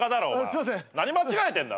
すいません。